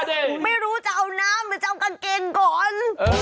ไม่รู้จะเอาน้ำไปจะเอากางเกงก่อน